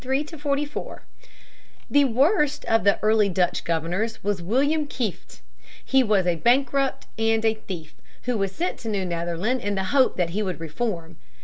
] 61. Kieft and the Indians, 1643 44. The worst of the early Dutch governors was William Kieft (Keeft). He was a bankrupt and a thief, who was sent to New Netherland in the hope that he would reform.